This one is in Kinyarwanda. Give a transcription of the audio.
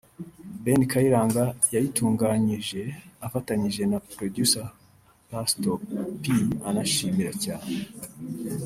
Ben Kayiranga yayitunganyije afatanyije na Producer Pastor P anashimira cyane